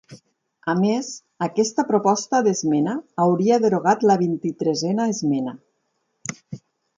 A més, aquesta proposta d'esmena hauria derogat la Vint-i-tresena Esmena.